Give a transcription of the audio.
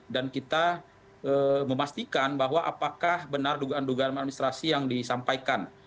dan kita memastikan bahwa apakah benar dugaan dugaan administrasi yang disampaikan